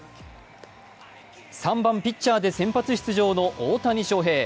３番・ピッチャーで先発出場の大谷翔平。